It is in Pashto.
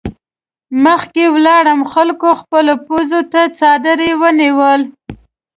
مخکې ولاړو خلکو خپلو پزو ته څادرونه ونيول.